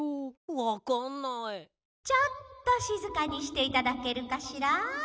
「ちょっとしずかにしていただけるかしら？」。